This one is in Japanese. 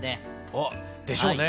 あっでしょうね。